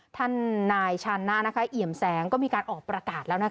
ท่านนายฉานน่านะคะเหยียมแสงก็มีการออกประกาศแล้วนะคะ